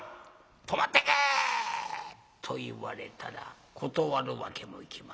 泊まってけ！」。と言われたら断るわけもいきません。